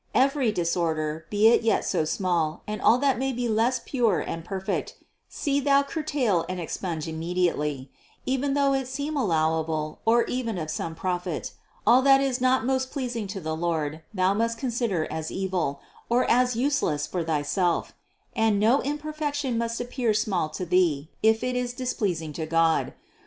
Every disorder, be it yet so small, and all that may be less pure and perfect, see thou curtail and expunge immediately, even though it seem allowable or even of some profit; all that is not most pleasing to the Lord, thou must consider as evil, or as useless for thy self ; and no imperfection must appear small to thee, if it is displeasing to God.